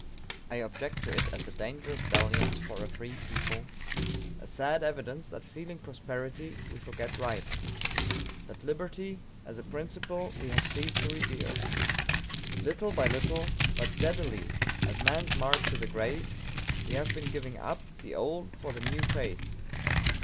I object to it as a dangerous dalliance for a free people a sad evidence that, feeling prosperity, we forget right; that liberty, as a principle, we have ceased to revere.... Little by little, but steadily as man's march to the grave, we have been giving up the old for the new faith.